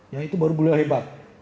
ya itu baru boleh hebat